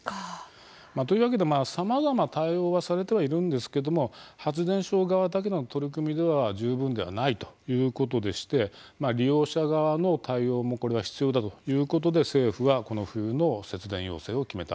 というわけでさまざま対応はされてはいるんですけども発電所側だけの取り組みでは十分ではないということでしてまあ利用者側の対応もこれは必要だということで政府はこの冬の節電要請を決めたわけですね。